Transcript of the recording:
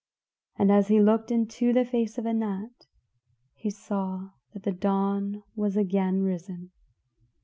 And as he looked into the face of Anat, he saw that the Dawn was again risen.